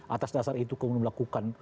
atas dasar itu kemudian melakukan